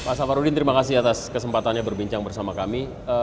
pak safarudin terima kasih atas kesempatannya berbincang bersama kami